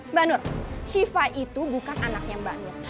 mbak nur shiva itu bukan anaknya mbak nur